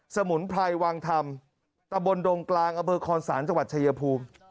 สมุนไพรวังธรรมตะบนดงกลางอำเภอคอนศาลจังหวัดชายภูมิ